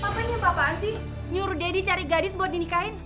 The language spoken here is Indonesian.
bapak apa yang ingin bapakan sih nyuruh daddy cari gadis buat dinikahin